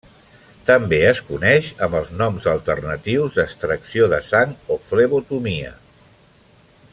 També es coneix amb els noms alternatius d'extracció de sang o flebotomia.